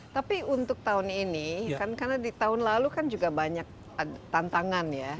tapi untuk tahun ini karena di tahun lalu kan juga banyak tantangan ya